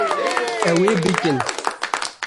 Ew ê bikin